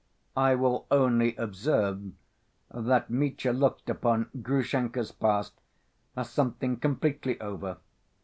I will only observe that Mitya looked upon Grushenka's past as something completely over.